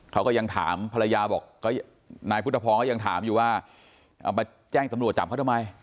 เขาก็ยังถามภรรยาบอกก็นายพุทธพรก็ยังถามอยู่ว่าเอามาแจ้งตำรวจจับเขาทำไม